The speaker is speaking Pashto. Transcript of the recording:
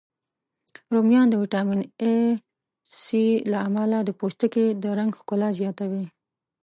رومیان د ویټامین C، A، له امله د پوستکي د رنګ ښکلا زیاتوی